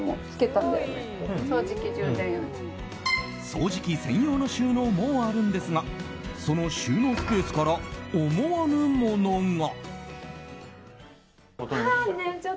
掃除機専用の収納もあるんですがその収納スペースから思わぬものが。